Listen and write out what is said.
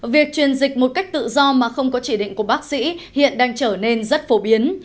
việc truyền dịch một cách tự do mà không có chỉ định của bác sĩ hiện đang trở nên rất phổ biến